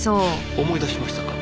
思い出しましたか？